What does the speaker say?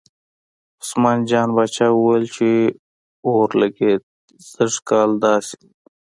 عثمان جان پاچا ویل چې اورلګید دې سږ کال داسې وي.